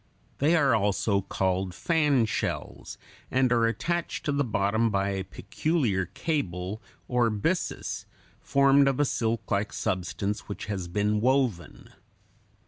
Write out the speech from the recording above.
They are also called fan shells, and are attached to the bottom by a peculiar cable, or byssus, formed of a silklike substance which has been woven.